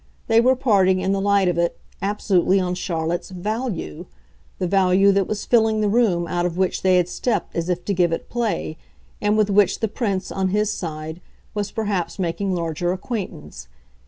They were parting, in the light of it, absolutely on Charlotte's VALUE the value that was filling the room out of which they had stepped as if to give it play, and with which the Prince, on his side, was perhaps making larger acquaintance.